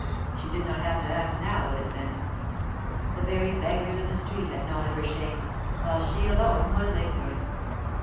She did not have to ask now what it meant. The very beggars in the street had known of her shame, while she alone was ignorant.